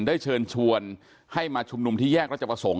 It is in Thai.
ได้เชิญชวนให้มาชุมนุมที่แยกรัชประสงค์